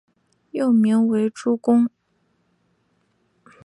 幼名为珠宫。